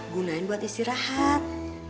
gunain buat istirahat